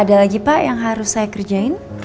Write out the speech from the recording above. ada lagi pak yang harus saya kerjain